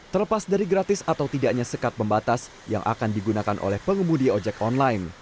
terlepas dari gratis atau tidaknya sekat pembatas yang akan digunakan oleh pengemudi ojek online